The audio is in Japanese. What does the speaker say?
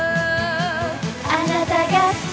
「あなたが好き！」